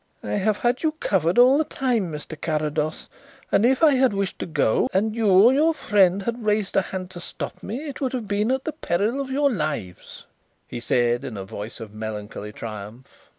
"I have had you covered all the time, Mr. Carrados, and if I had wished to go and you or your friend had raised a hand to stop me, it would have been at the peril of your lives," he said, in a voice of melancholy triumph.